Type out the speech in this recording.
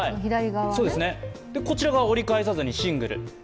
こちら側は折り返さずにシングル。